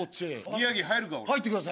宮城入る？